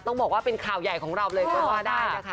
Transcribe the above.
ต้องบอกว่าเป็นข่าวใหญ่ของเราเลยก็ว่าได้นะคะ